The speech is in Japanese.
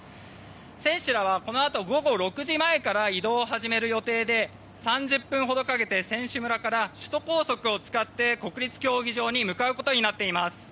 選手らはこのあと午後６時前から移動をする予定で３０分ほどかけて選手村から首都高速を使って国立競技場に向かうことになっています。